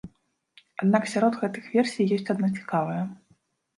Аднак сярод гэтых версій ёсць адна цікавая.